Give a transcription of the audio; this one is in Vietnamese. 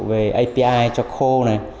về api cho call này